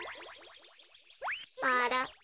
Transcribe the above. あら？